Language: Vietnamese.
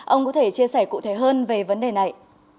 ông có thể chia sẻ cụ thể hơn về vấn đề này